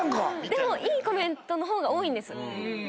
でもいいコメントの方が多いんです。